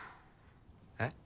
えっ？